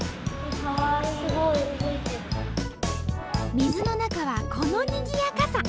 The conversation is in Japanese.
水の中はこのにぎやかさ。